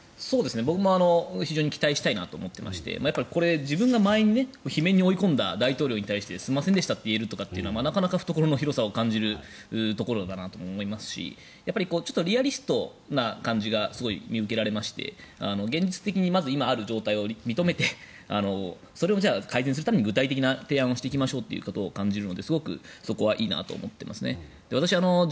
僕も非常に期待したいなと思っていましてこれ、自分が前に罷免に追い込んだ大統領に対してすいませんでしたと言えるというのはなかなか懐の広さを感じるところがありますしリアリストな感じがすごい見受けられまして現実的に今ある状態を認めてそれを改善するために具体的な提案をしていきましょうということを感じるのですごくそこはいいなと思っていますね。